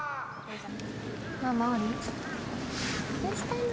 どうしたの。